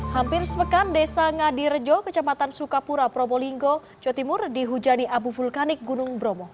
hampir sepekan desa ngadirejo kecamatan sukapura probolinggo jawa timur dihujani abu vulkanik gunung bromo